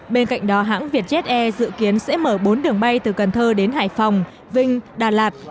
bên cạnh đó hãng vietjet air dự kiến sẽ mở bốn đường bay từ cần thơ đến hải phòng vinh đà lạt